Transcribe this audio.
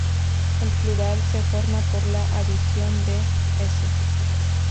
El plural se forma por la adición de "-s".